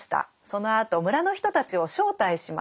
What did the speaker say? そのあと村の人たちを招待します。